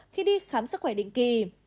khi đi khám sức khỏe định kỳ